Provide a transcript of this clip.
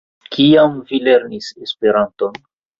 Kiam vi lernis Esperanton?